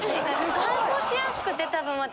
乾燥しやすくて多分私。